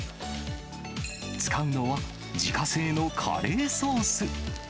使うのは自家製のカレーソース。